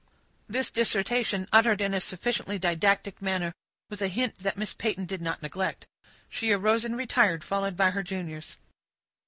This dissertation, uttered in a sufficiently didactic manner, was a hint that Miss Peyton did not neglect. She arose and retired, followed by her juniors.